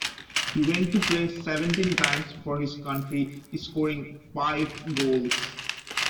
He went on to play seventeen times for his country, scoring five goals.